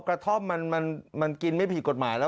กระท่อมมันกินไม่ผิดกฎหมายแล้ว